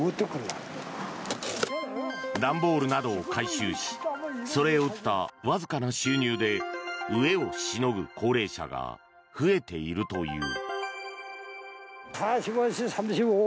段ボールなどを回収しそれを売ったわずかな収入で飢えをしのぐ高齢者が増えているという。